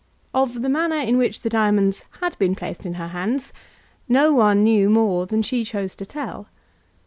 Of the manner in which the diamonds had been placed in her hands, no one knew more than she chose to tell.